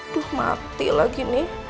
duh mati lagi nih